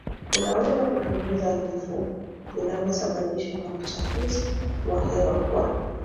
kunaweza kupunguza vifo vinavyosababishwa na uchafuzi wa hewa kwa